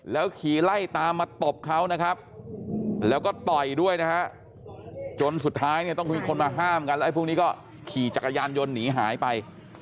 แล้วขี่ไล่ตามมาตบเขานะครับแล้วก็ต่อยด้วยนะฮะจนสุดท้ายเนี่ยต้องมีคนมาห้ามกันแล้วไอ้พวกนี้ก็ขี่จักรยานยนต์หนีหายไป